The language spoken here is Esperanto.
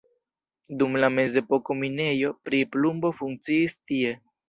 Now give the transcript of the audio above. Dum la mezepoko minejo pri plumbo funkciis tie.